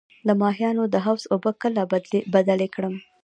د ماهیانو د حوض اوبه کله بدلې کړم؟